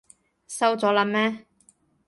收咗喇咩？